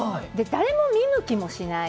誰も見向きもしない